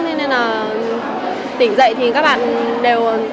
nên là tỉnh dậy thì các bạn đều